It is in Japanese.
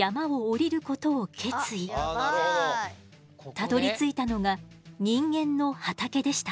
たどりついたのが人間の畑でした。